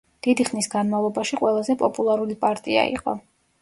დიდი ხნის განმავლობაში ყველაზე პოპულარული პარტია იყო.